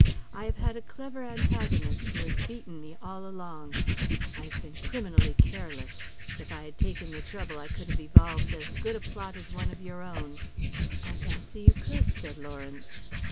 I have had a clever antagonist who has beaten me all along. I have been criminally careless. If I had taken the trouble I could have evolved as good a plot as one of your own." "I fancy you could," said Lawrence.